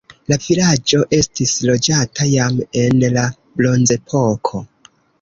La vilaĝo estis loĝata jam en la bronzepoko.